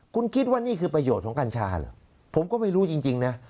คุณคิดว่านี่คือประโยชน์ของกัญชาเหรอผมก็ไม่รู้จริงนะ